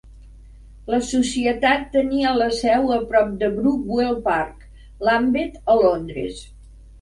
La Societat tenia la seu a prop de Brockwell Park, Lambeth a Londres.